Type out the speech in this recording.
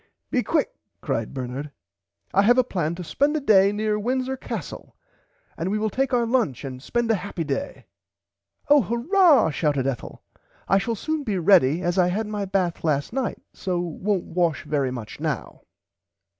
Be quick cried Bernard I have a plan to [Pg 89] spend a day near Windsor Castle and we will take our lunch and spend a happy day. Oh Hurrah shouted Ethel I shall soon be ready as I had my bath last night so wont wash very much now.